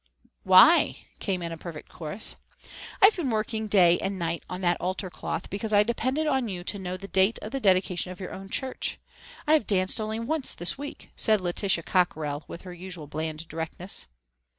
"Why?" came in a perfect chorus. "I've been working night and day on that altar cloth because I depended on you to know the date of the dedication of your own church. I have danced only once this week," said Letitia Cockrell, with her usual bland directness.